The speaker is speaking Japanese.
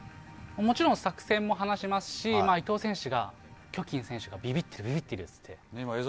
もちろん作戦も話しますし伊藤選手がキョ・キン選手がビビってるビビってるって言って。